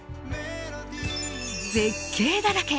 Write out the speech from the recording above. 絶景だらけ。